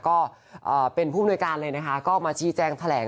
ก็เป็นผู้มนวยการเลยนะคะก็มาชี้แจงแถลง